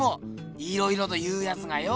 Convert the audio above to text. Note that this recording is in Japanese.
いろいろと言うやつがよ。